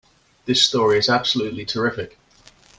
This story is absolutely terrific!